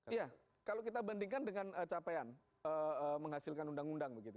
iya kalau kita bandingkan dengan capaian menghasilkan undang undang begitu